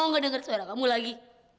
aku ga mau denger suara kamu lagi